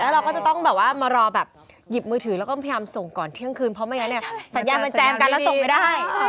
เราก็จะต้องแบบว่ามารอแบบหยิบมือถือแล้วก็พยายามส่งก่อนเที่ยงคืนเพราะไม่งั้นเนี่ยสัญญาณมันแจมกันแล้วส่งไม่ได้